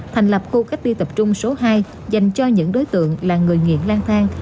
thành lập khu cách đi tập trung số hai dành cho những đối tượng là người nghiện lan thang